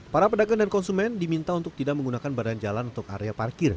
para pedagang dan konsumen diminta untuk tidak menggunakan badan jalan untuk area parkir